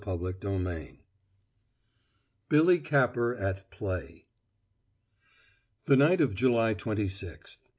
_" CHAPTER III BILLY CAPPER AT PLAY The night of July twenty sixth.